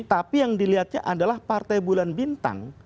tapi yang dilihatnya adalah partai bulan bintang